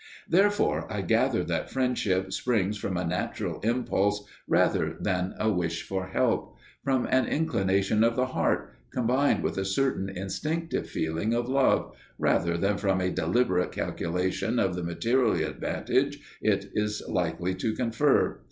Therefore I gather that friendship springs from a natural impulse rather than a wish for help: from an inclination of the heart, combined with a certain instinctive feeling of love, rather than from a deliberate calculation of the material advantage it was likely to confer.